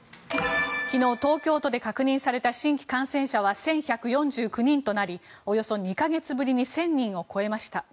昨日、東京都で確認された新規感染者は１１４９人となりおよそ２か月ぶりに１０００人を超えました。